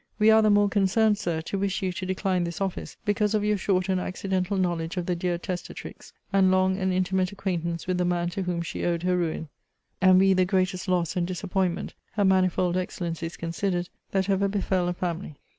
We are the more concerned, Sir, to wish you to decline this office, because of your short and accidental knowledge of the dear testatrix, and long and intimate acquaintance with the man to whom she owed her ruin, and we the greatest loss and disappointment (her manifold excellencies considered) that ever befell a family.